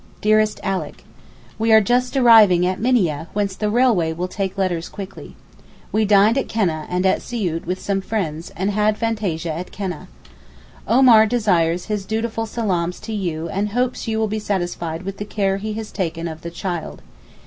DEAREST ALICK, We are just arriving at Minieh whence the railway will take letters quickly. We dined at Keneh and at Siout with some friends, and had fantasia at Keneh. Omar desires his dutiful salaams to you and hopes you will be satisfied with the care he has taken of 'the child.